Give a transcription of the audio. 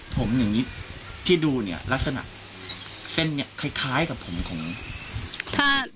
ผมอย่างนี้ที่ดูเนี่ยลักษณะเส้นเนี่ยคล้ายกับผมของ